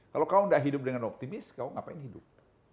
kalau kau tidak hidup dengan optimis kamu ngapain hidup